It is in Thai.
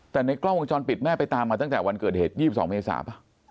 แต่ในกล้องวงจรปิดแม่ไปตามมาตั้งแต่วันเกิดเหตุ๒๒เมษาป่ะ